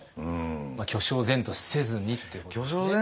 巨匠然とせずにっていうことですよね。